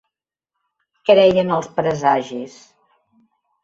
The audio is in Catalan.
Creia en els presagis.